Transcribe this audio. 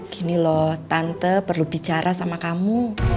gini loh tante perlu bicara sama kamu